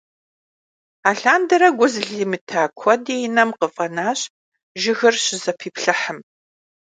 Алъандэрэ гу зылъимыта куэди и нэм къыфӀэнащ жыгыр щызэпиплъыхьым.